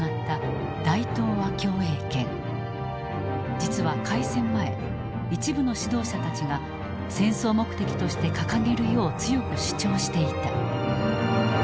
実は開戦前一部の指導者たちが戦争目的として掲げるよう強く主張していた。